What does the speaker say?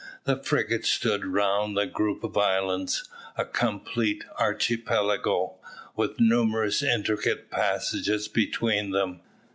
The frigate stood round the group of islands; a complete archipelago, with numerous intricate passages between them.